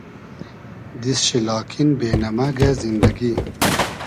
دیست شی لاکین بې نئمئگۂ زیندئگی